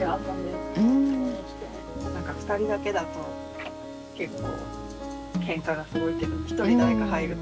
何か２人だけだと結構けんかがすごいけど一人誰か入ると。